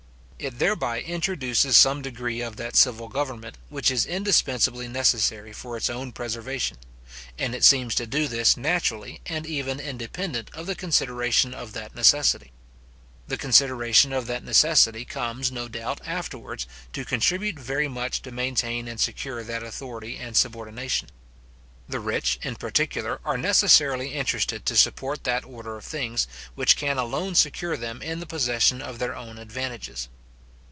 It thereby introduces some degree of that civil government which is indispensably necessary for its own preservation; and it seems to do this naturally, and even independent of the consideration of that necessity. The consideration of that necessity comes, no doubt, afterwards, to contribute very much to maintain and secure that authority and subordination. The rich, in particular, are necessarily interested to support that order of things, which can alone secure them in the possession of their own advantages.